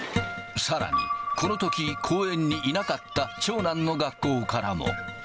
さらに、このとき、公園にいなかった長男の学校からも。